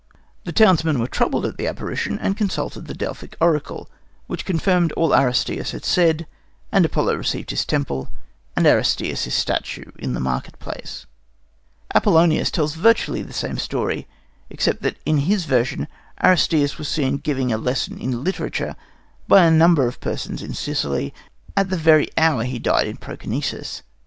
The townsmen were troubled at the apparition, and consulted the Delphic oracle, which confirmed all that Aristeas had said; and Apollo received his temple and Aristeas his statue in the market place. Apollonius tells virtually the same story, except that in his version Aristeas was seen giving a lesson in literature by a number of persons in Sicily at the very hour he died in Proconesus.